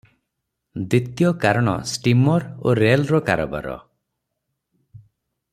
ଦ୍ୱିତୀୟ କାରଣ ଷ୍ଟିମର ଓ ରେଲର କାରବାର ।